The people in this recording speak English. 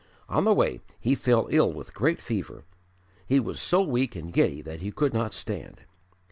On the way he fell ill with great fever; he was so weak and giddy that he could not stand.